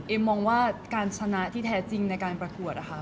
มองว่าการชนะที่แท้จริงในการประกวดนะคะ